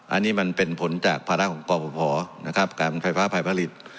อันนี้มันเป็นผลจากภาระของกรพนะครับการไฟฟ้าภายผลิต